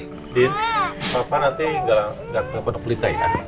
din papa nanti gak ke pendekulita ya